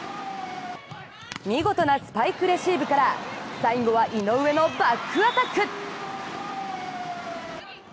見事なスパイクレシーブから最後は井上のバックアタック。